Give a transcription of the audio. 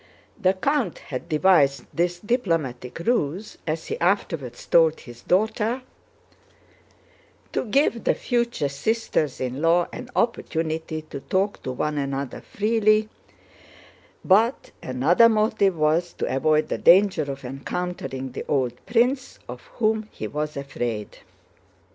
The count had devised this diplomatic ruse (as he afterwards told his daughter) to give the future sisters in law an opportunity to talk to one another freely, but another motive was to avoid the danger of encountering the old prince, of whom he was afraid.